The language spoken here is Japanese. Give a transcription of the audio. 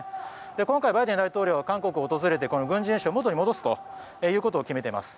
今回、バイデン大統領は韓国を訪れてこの軍事演習を元に戻すことを決めています。